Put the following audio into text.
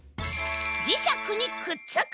じしゃくにくっつく！